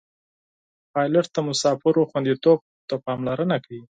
پیلوټ د مسافرو خوندیتوب ته پاملرنه کوي.